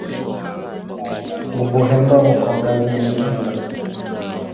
Mubuhemba muko ngazi mingi sana